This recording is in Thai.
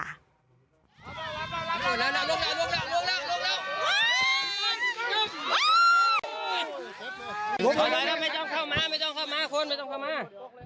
ไม่ได้ไม่ต้องเข้ามาคนไม่ต้องเข้ามา